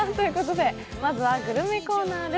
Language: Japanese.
まずはグルメコーナーです。